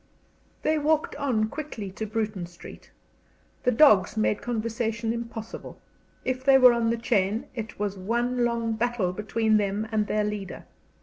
They walked on quickly to Bruton Street. The dogs made conversation impossible. If they were on the chain it was one long battle between them and their leader.